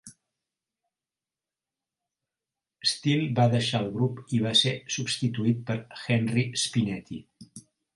Steele va deixar el grup i va ser substituït per Henry Spinetti.